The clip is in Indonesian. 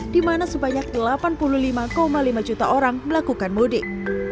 di mana sebanyak delapan puluh lima lima juta orang melakukan mudik